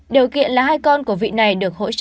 điều kiện là hai con của vị này được hỗ trợ bởi aisvn